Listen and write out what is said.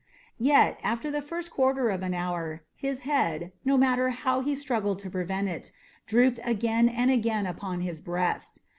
Yet, after the first quarter of an hour, his head, no matter how he struggled to prevent it, drooped again and again upon his breast.